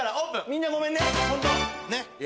みんなごめんね！